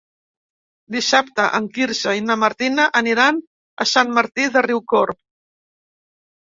Dissabte en Quirze i na Martina aniran a Sant Martí de Riucorb.